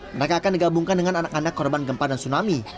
mereka akan digabungkan dengan anak anak korban gempa dan tsunami